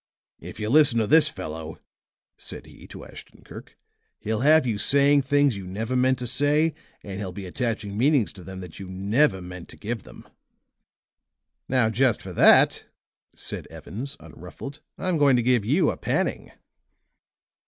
"If you listen to this fellow," said he to Ashton Kirk, "he'll have you saying things you never meant to say, and he'll be attaching meanings to them that you never meant to give them." "Now, just for that," said Evans, unruffled, "I'm going to give you a panning."